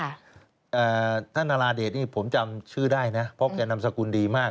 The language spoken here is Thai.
ท่านนาราเดชนี่ผมจำชื่อได้นะเพราะแกนำสกุลดีมาก